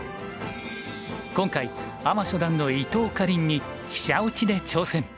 今回アマ初段の伊藤かりんに飛車落ちで挑戦。